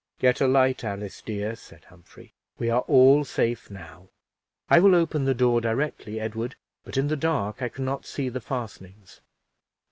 "Get a light, Alice, dear," said Humphrey, "we are all safe now. I will open the door directly, Edward, but in the dark I can not see the fastenings."